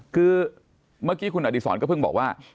คือเมื่อกี้คุณอดีศรก็เพิ่งบอกว่า